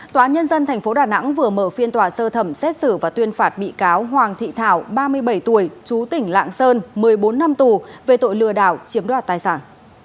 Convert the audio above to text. tòa nhân dân tp đà nẵng vừa mở phiên tòa sơ thẩm xét xử và tuyên phạt bị cáo hoàng thị thảo ba mươi bảy tuổi chú tỉnh lạng sơn một mươi bốn năm tù về tội lừa đảo chiếm đoạt tài sản